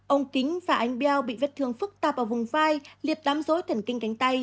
ông kính và anh biao bị vết thương phức tạp ở vùng vai liệt đám dối thần kinh cánh tay